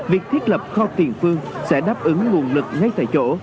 việc thiết lập kho tiền phương sẽ đáp ứng nguồn lực ngay tại chỗ